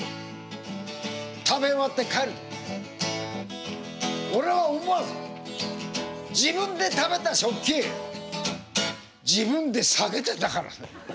食べ終わって帰る時俺は思わず自分で食べた食器自分で下げてんだからね。